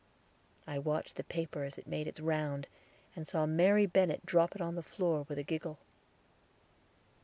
I watched the paper as it made its round, and saw Mary Bennett drop it on the floor with a giggle.